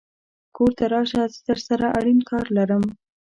کور ته راشه زه درسره اړين کار لرم